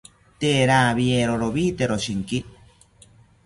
Tee rawiero rowitero shinki